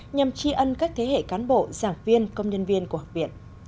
nhằm tri ân các thế hệ cán bộ giảng viên công nhân viên của học viện